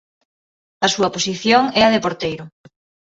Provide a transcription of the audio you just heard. A súa posición é a de porteiro.